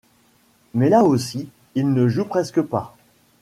Mais là aussi, il ne joue presque pas.